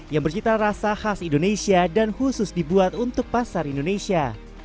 yang bercita rasa khas indonesia dan khusus dibuat untuk pasar indonesia